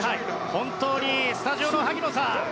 本当にスタジオの萩野さん